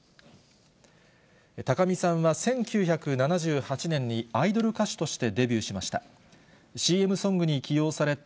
高見さんは１９７８年にアイドル歌手としてデビューしました。